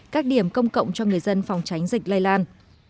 các điểm công cộng cho người dân phòng tránh dịch lây lan